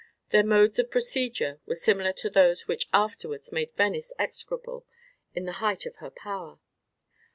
Their modes of procedure were similar to those which afterwards made Venice execrable in the height of her power.